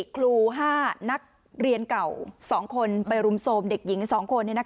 ครู๕นักเรียนเก่า๒คนไปรุมโทรมเด็กหญิง๒คน